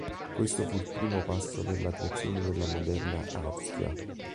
Questo fu il primo passo per la creazione della moderna Austria.